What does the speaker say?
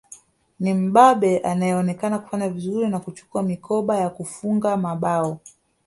Ni Mbabe anayeonekana kufanya vizuri na kuchukua mikoba ya kufunga mabao